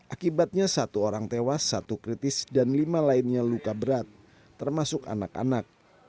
akibatnya satu orang tewas satu kritis dan lima lainnya luka berat termasuk anak anak